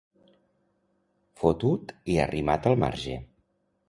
Fotut i arrimat al marge.